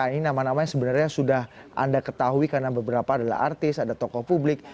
ini nama nama yang sebenarnya sudah anda ketahui karena beberapa adalah artis ada tokoh publik